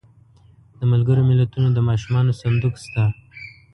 د ملګرو ملتونو د ماشومانو صندوق شته.